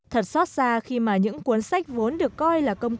thật xót xa khi mà những cuốn sách vốn được coi là có sách này